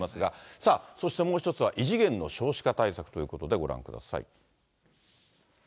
さあ、そしてもう一つは異次元の少子化対策ということで、ご覧ください。